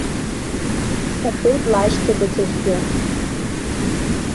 Дҭахеит лашьцәа даҽаӡәгьы.